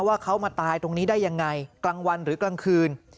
ว่าเขามาตายตรงนี้ได้ยังไงกลางวันหรือกลางคืน